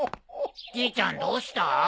じいちゃんどうした？